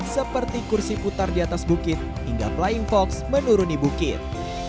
seperti kursi putar di atas bukit hingga flying fox menuruni bukit